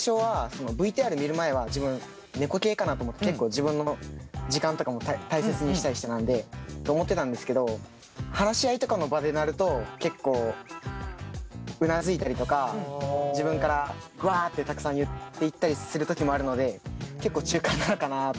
自分の時間とかも大切にしたい人なんで。と思ってたんですけど話し合いとかの場でなると結構うなずいたりとか自分からわってたくさん言っていったりする時もあるので結構中間なのかなと。